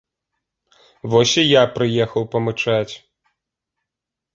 Вось і я прыехаў памычаць.